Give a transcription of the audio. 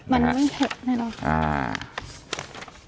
มันไม่เห็นเลย